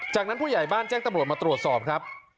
จากนั้นผู้ใหญ่บ้านแจ้งตำรวจมาตรวจสอบครับ